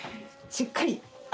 しっかりよ。